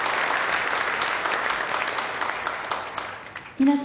皆様